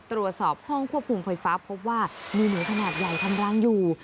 ตรวจสอบห้องควบคุมไฟฟ้าพบว่ามีหมูขนาดใหญ่ทำรังอยู่